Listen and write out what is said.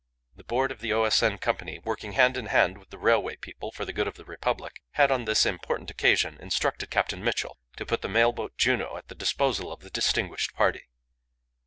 The board of the O.S.N. Company, working hand in hand with the railway people for the good of the Republic, had on this important occasion instructed Captain Mitchell to put the mail boat Juno at the disposal of the distinguished party.